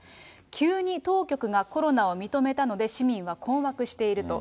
急に当局がコロナを認めたので、市民は困惑していると。